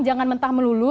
jangan mentah melulu